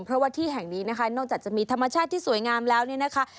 เพราะว่าที่แห่งนี้นะคะนอกจากจะมีธรรมชาติที่สวยงามแล้วเนี่ยนะคะ